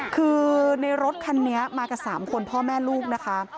คือในรถคันนี้มากับ๓คนพ่อแม่ลูกนะคะ